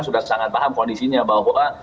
sudah sangat paham kondisinya bahwa